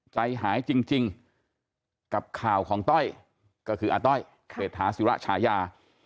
ใจหายจริงกับข่าวของต้อยก็คืออาต้อยเศรษฐาศิระฉายา